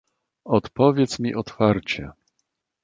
"Odpowiedz mi otwarcie."